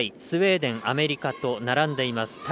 スウェーデンアメリカと並んでいます。